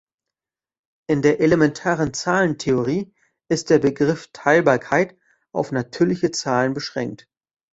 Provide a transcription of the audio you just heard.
In der elementaren Zahlentheorie ist der Begriff "Teilbarkeit" auf natürliche Zahlen beschränkt.